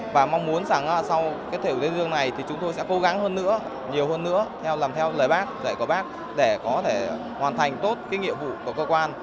và mong muốn sau thế giới này chúng tôi sẽ cố gắng hơn nữa nhiều hơn nữa làm theo lời bác dạy của bác để có thể hoàn thành tốt nhiệm vụ của cơ quan